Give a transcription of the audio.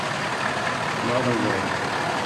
Not a word.